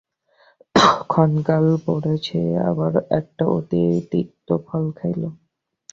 ক্ষণকাল পরে সে আবার একটা অতি তিক্ত ফল খাইল।